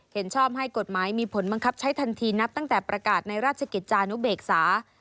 เห็นชอบให้กฎหมายมีผลบังคับใช้ทันทีนับตั้งแต่ประกาศในราชกิจจานุเบกษา